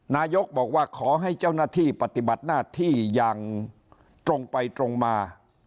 นายกบอกว่าขอให้เจ้าหน้าที่ปฏิบัติหน้าที่อย่างตรงไปตรงมา